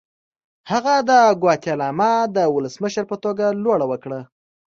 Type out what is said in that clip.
هغه د ګواتیمالا د ولسمشر په توګه لوړه وکړه.